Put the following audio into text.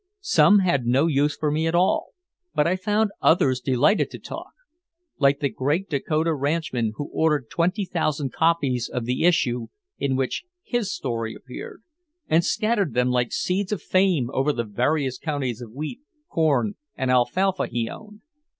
Some had no use for me at all, but I found others delighted to talk like the great Dakota ranchman who ordered twenty thousand copies of the issue in which his story appeared and scattered them like seeds of fame over the various counties of wheat, corn and alfalfa he owned.